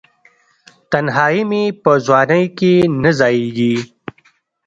تنهایې مې په ځوانۍ کې نه ځائیږې